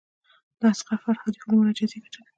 د اصغر فرهادي فلمونه جایزې ګټلي.